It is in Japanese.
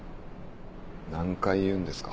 何回言うんですか。